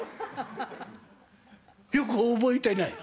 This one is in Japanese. よく覚えてない」。